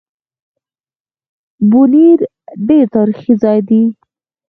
بونېر ډېر تاريخي ځای دی